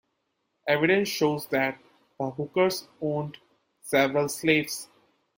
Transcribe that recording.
Evidence shows that the Hookers owned several slaves.